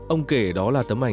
ông kể đó là tấm ảnh